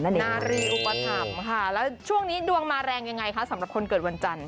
นารีอุปถัมภ์ค่ะแล้วช่วงนี้ดวงมาแรงยังไงคะสำหรับคนเกิดวันจันทร์